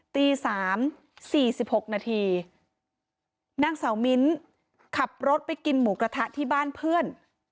ตีสามสี่สิบหกนาทีนั่งเสามิ้นขับรถไปกินหมูกระทะที่บ้านเพื่อน